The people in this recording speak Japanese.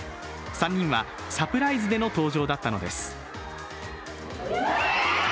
３人はサプライズでの登場だったのです。